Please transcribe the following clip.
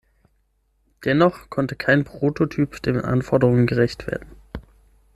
Dennoch konnte kein Prototyp den Anforderungen gerecht werden.